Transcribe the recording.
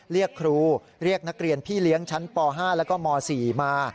เรียกครูเรียกนักเรียนพี่เลี้ยงชั้นป๕แล้วก็ม๔มา